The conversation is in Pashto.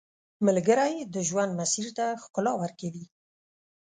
ملګری د ژوند مسیر ته ښکلا ورکوي